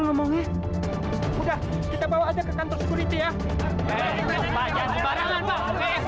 ngomongnya udah kita bawa aja ke kantor sekuriti ya ya jangan sembarangan pak